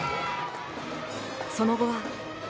その後は。